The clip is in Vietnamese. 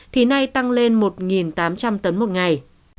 thì nay tăng lên một tám trăm linh tấn một ngày